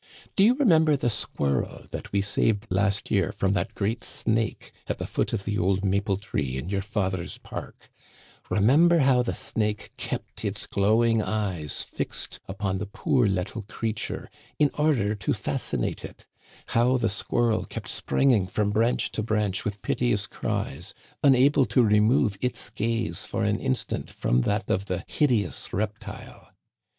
Do you remember the squirrel that we saved last year from that great snake, at the foot of the old maple tree in your father's park; remember how the snake kept its glowing eyes fixed upon the poor little creature in order to fascinate it ; how the squirrel kept springing from branch to branch with piteous cries, unable to remove its gaze for an instant from that of the hideous reptile